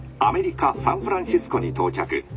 アメリカ・サンフランシスコに到着。